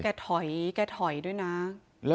การถอยด้วยนะ